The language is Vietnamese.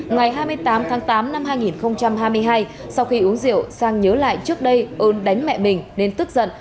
ngày hai mươi tám tháng tám năm hai nghìn hai mươi hai sau khi uống rượu sang nhớ lại trước đây ôn đánh mẹ mình nên tức giận